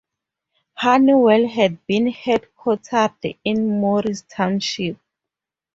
Honeywell had been headquartered in Morris Township.